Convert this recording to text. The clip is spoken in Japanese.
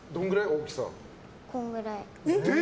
大きさ。こんぐらい。